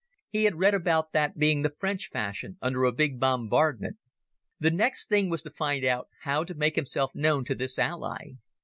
He had read about that being the French fashion under a big bombardment. The next thing was to find out how to make himself known to this ally.